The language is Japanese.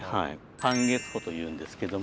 半月堡というんですけども。